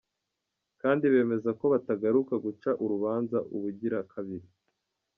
Kandi bemeza ko batagaruka guca urubanza ubugira kabiri.